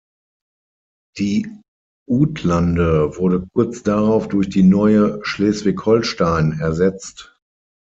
Die "Uthlande" wurde kurz darauf durch die neue "Schleswig-Holstein" ersetzt.